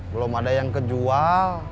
belum ada yang kejual